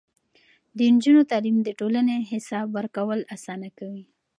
د نجونو تعليم د ټولنې حساب ورکول اسانه کوي.